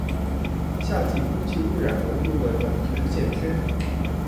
夏季空氣污染濃度的等值線圖